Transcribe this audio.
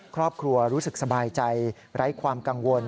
ครอบครัวรู้สึกสบายใจไร้ความกังวล